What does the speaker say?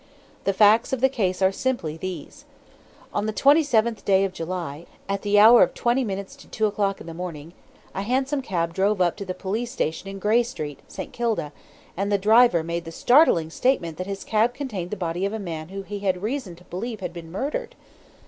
The facts of the case are simply these: "On the twenty seventh day of July, at the hour of twenty minutes to two o'clock in the morning, a hansom cab drove up to the police station in Grey Street, St. Kilda, and the driver made the startling statement that his cab contained the body of a man who he had reason to believe had been murdered.